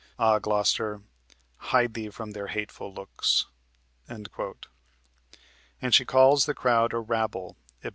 Ah, Gloster, hide thee from their hateful looks." And she calls the crowd a "rabble" (Ib.)